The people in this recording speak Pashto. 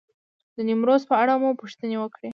د نیمروز په اړه مو پوښتنې وکړې.